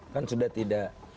kan sudah tidak